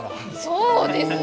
そうですよ。